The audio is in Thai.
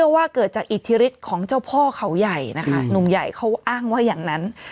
ว่าเกิดจากอิทธิฤทธิ์ของเจ้าพ่อเขาใหญ่นะคะหนุ่มใหญ่เขาอ้างว่าอย่างนั้น